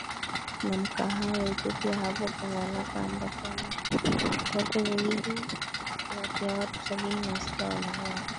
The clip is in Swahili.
na mkahawa wa ethiopia hapo kavalakala ambapo zaidi ya watu sabini na sita waliwawa